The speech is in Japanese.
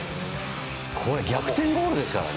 これ、逆転ゴールですからね。